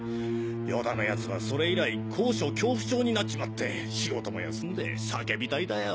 与田の奴はそれ以来高所恐怖症になっちまって仕事も休んで酒浸りだよ。